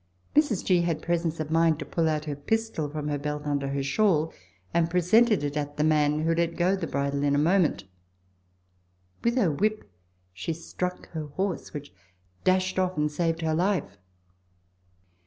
Mrs. G. had presence of mind to pull out her pistol from her belt under her shawl, and presented it at the man, who let go the bridle in a moment. With her whip she struck her horse, which dashed off, and saved her life.